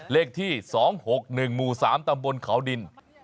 เลขที่๒๖๑หมู่๓ตำบลเขาดิน